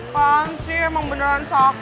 panci emang beneran sakit